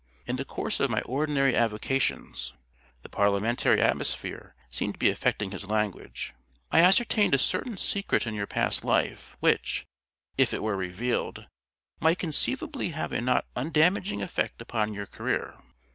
In the course of my ordinary avocations" the parliamentary atmosphere seemed to be affecting his language "I ascertained a certain secret in your past life which, if it were revealed, might conceivably have a not undamaging effect upon your career.